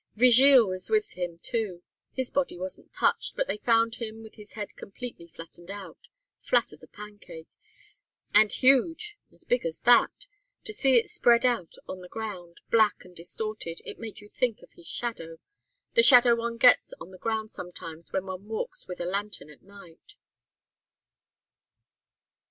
Vigile was with them, too; his body wasn't touched, but they found him with his head completely flattened out, flat as a pancake, and huge as big as that. To see it spread out on the ground, black and distorted, it made you think of his shadow the shadow one gets on the ground sometimes when one walks with a lantern at night."